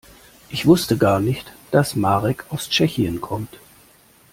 Ich wusste gar nicht, dass Marek aus Tschechien kommt.